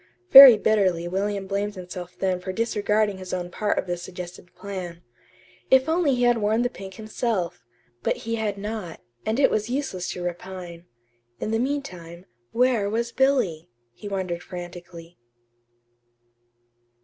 Very bitterly William blamed himself then for disregarding his own part of the suggested plan. If only he had worn the pink himself! but he had not; and it was useless to repine. In the meantime, where was Billy, he wondered frantically.